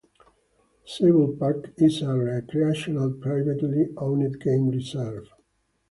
Sable Park is a recreational privately owned game reserve.